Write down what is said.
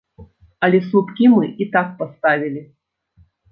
Але слупкі мы і так паставілі.